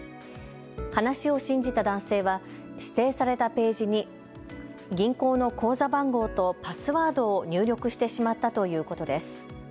話を信じた男性は指定されたページに銀行の口座番号とパスワードを入力してしまったということです。